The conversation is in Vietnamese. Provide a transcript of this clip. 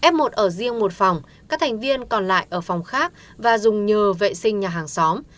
f một ở riêng một phòng các thành viên còn lại ở phòng khác và dùng nhờ vệ sinh nhà hàng xóm